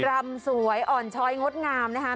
รำสวยอ่อนช้อยงดงามนะคะ